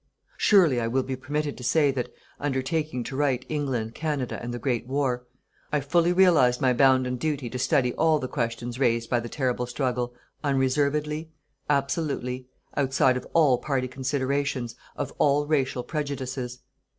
Surely, I will be permitted to say that, undertaking to write England, Canada and the Great War, I fully realized my bounden duty to study all the questions raised by the terrible struggle, unreservedly, absolutely, outside of all party considerations, of all racial prejudices.